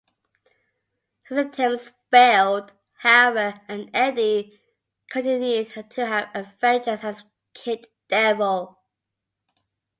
His attempts failed, however, and Eddie continued to have adventures as Kid Devil.